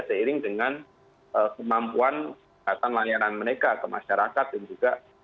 seiring dengan kemampuan layanan mereka ke masyarakat dan juga